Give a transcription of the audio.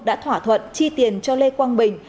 đã thỏa thuận chi tiền cho lê quang bình